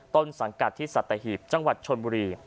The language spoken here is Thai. ต้นสังกัดที่สัตหีบจังหวัดชนบุรี